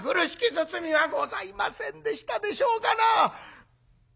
包みはございませんでしたでしょうかな」。